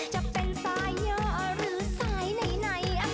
จะเป็นสายเหนือหรือสายไหนไหน